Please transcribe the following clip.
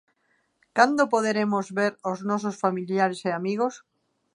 Cando poderemos ver os nosos familiares e amigos?